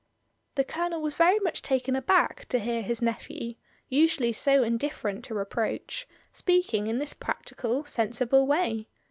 The Colonel was very much taken aback to 176 MRS. DYMOND. hear his nephew, usually so indifferent to reproach, speaking in this practical sensible way.